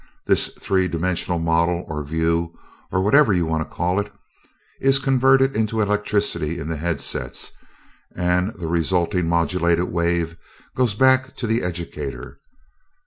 This three dimensional model, or view, or whatever you want to call it, is converted into electricity in the headsets, and the resulting modulated wave goes back to the educator.